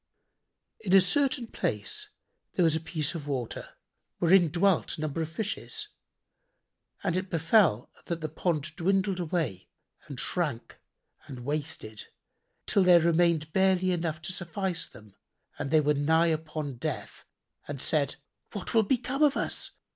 In a certain place there was a piece of water, wherein dwelt a number of Fishes, and it befel that the pond dwindled away and shrank and wasted, till there remained barely enough to suffice them and they were nigh upon death and said, "What will become of us?